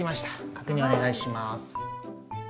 確認お願いします。